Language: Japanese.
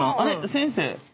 先生。